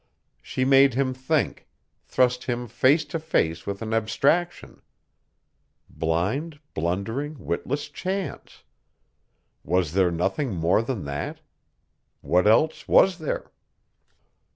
She made him think, thrust him face to face with an abstraction. Blind, blundering, witless Chance! Was there nothing more than that? What else was there?